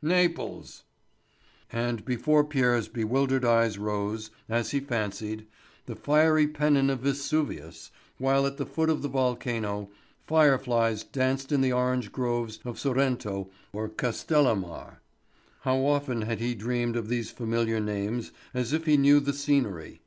"Naples." And before Pierre's bewildered eyes rose, as he fancied, the fiery pennon of Vesuvius, while, at the foot of the volcano, fire flies danced in the orange groves of Sorrento or Castellamare. How often had he dreamed of these familiar names as if he knew the scenery.